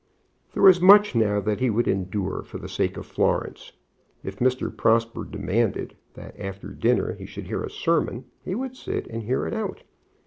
There was much now that he would endure for the sake of Florence. If Mr. Prosper demanded that after dinner he should hear a sermon, he would sit and hear it out.